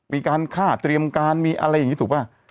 มีการฆ่าเตรียมการมีอะไรอย่างนี้ถูกป่ะ